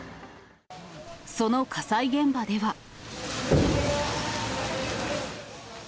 その火災現場では。